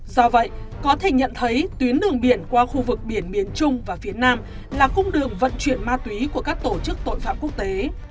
do vậy có thể nhận thấy tuyến đường biển qua khu vực biển miền trung và phía nam là cung đường vận chuyển ma túy của các tổ chức tội phạm quốc tế